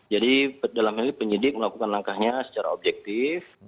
jadi dalam hal ini penyidik melakukan langkahnya secara objektif